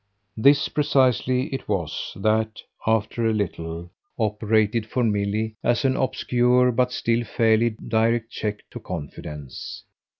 This precisely it was that, after a little, operated for Milly as an obscure but still fairly direct check to confidence.